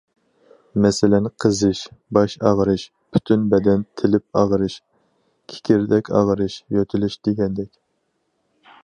مەسىلەن: قىزىش، باش ئاغرىش، پۈتۈن بەدەن تېلىپ ئاغرىش، كېكىردەك ئاغرىش، يۆتىلىش دېگەندەك.